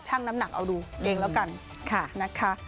ช่างน้ำหนักเอาดูเองแล้วกัน